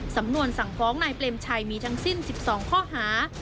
สำนวนสั่งฟ้องนายเปรมชัยมีทั้งสิ้น๑๒ข้อหา